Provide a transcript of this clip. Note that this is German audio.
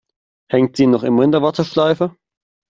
Hängt sie noch immer in der Warteschleife?